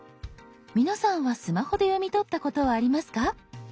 皆さんはスマホで読み取ったことはありますか？